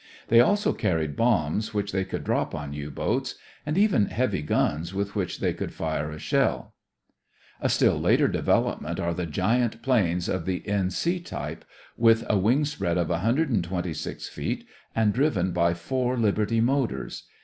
They also carried bombs which they could drop on U boats, and even heavy guns with which they could fire shell. A still later development are the giant planes of the N. C. type with a wing spread of 126 feet and driven by four Liberty motors.